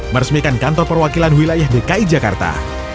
meresmikan kantor perwakilan wilayah dki jakarta